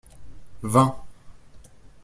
Vingt.